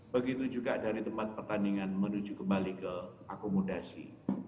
begitu juga dari tempat pertandingan menuju kembali ke akomodasi